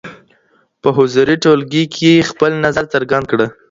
په حضوري ټولګي کي خپل نظر څرګند کړه.